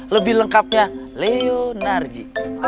lebih lengkapnya leo narji